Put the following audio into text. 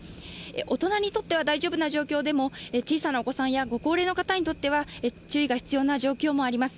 大人にとっては大丈夫な状況でも、小さなお子さんや、ご高齢の方にとっては注意が必要な状況もあります。